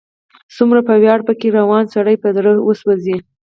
څومره په ویاړ، په کې روان، سړی په زړه وسوځي